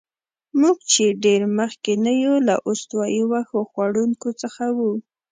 موږ چې ډېر مخکې نه یو، له استوایي وښو خوړونکو څخه وو.